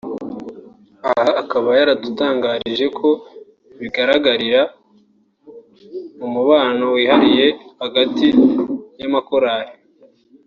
Aha akaba yaradutangarije ko bigaragarira mu mubano wihariya hagati y’amakorali